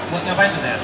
buat ngapain tuh